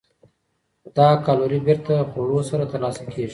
خو دا کالوري بېرته خوړو سره ترلاسه کېږي.